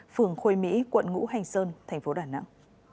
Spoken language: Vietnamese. phường khôi mỹ quận ngũ hành sơn thành phố đà nẵng